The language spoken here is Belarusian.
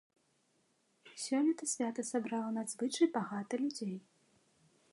Сёлета свята сабрала надзвычай багата людзей.